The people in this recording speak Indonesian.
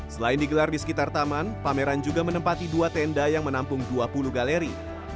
selain digelar di sekitar taman pameran juga menempati dua tenda yang menampung dua puluh galeri